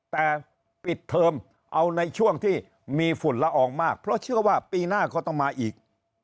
แต่ปิดเทอมเอาในช่วงที่มีฝุ่นละอองมากเพราะเชื่อว่าปีหน้าก็ต้องมาอีก